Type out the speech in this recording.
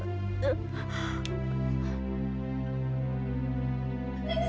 ning si biarlah